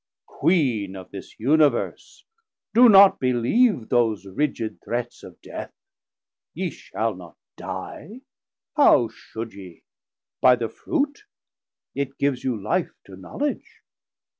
Queen of this Universe, doe not believe Those rigid threats of Death; ye shall not Die: How should ye? by the Fruit? it gives you Life To Knowledge?